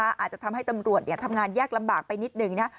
อาจจะทำให้ตำรวจทำงานยากลำบากไปนิดหนึ่งนะ